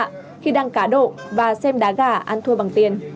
khi đang cá độ và xem đá gà ăn thua bằng tiền